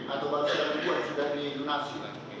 atau baru saja dibuat sudah di indonesia